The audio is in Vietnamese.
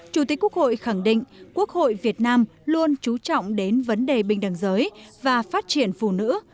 chủ tịch quốc hội khẳng định quốc hội việt nam luôn trú trọng đến vấn đề bình đẳng giới và phát triển phụ nữ